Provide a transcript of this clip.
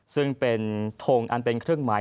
ซึ่งเป็นทงอันเป็นเครื่องหมาย